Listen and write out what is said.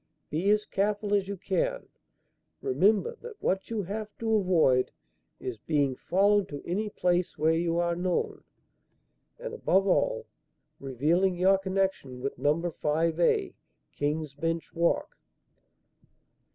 Be as careful as you can. Remember that what you have to avoid is being followed to any place where you are known, and, above all, revealing your connection with number Five A, King's Bench Walk."